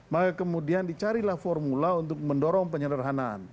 maka kemudian dicarilah formula untuk mendorong penyederhanaan